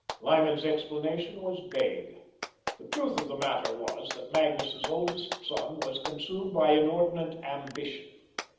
Lyman's explanation was vague. The truth of the matter was, that Magnus's oldest son was consumed by inordinate ambition.